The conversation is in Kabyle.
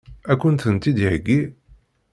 Ad kent-tent-id-iheggi?